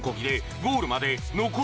ゴールまで残り